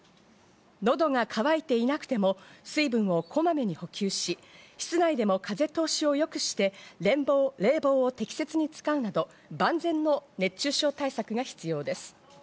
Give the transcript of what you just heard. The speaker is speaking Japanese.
のどが渇いていなくても水分をこまめに補給し、室内でも風通しをよくして冷房を適切に使うなど、万全の熱中症対策が必要です。